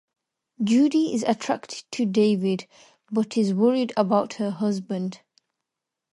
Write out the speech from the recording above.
Judy is attracted to David, but is worried about her husband.